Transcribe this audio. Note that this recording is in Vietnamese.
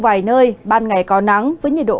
vài nơi ban ngày có nắng với nhiệt độ